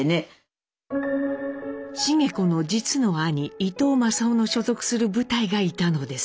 繁子の実の兄伊藤雅夫の所属する部隊がいたのです。